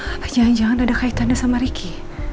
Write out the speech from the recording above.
apa jangan jangan ada kaitannya sama riki